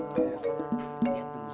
aduh dia ketar terus